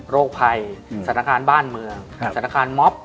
ภัยสถานการณ์บ้านเมืองสถานการณ์ม็อบ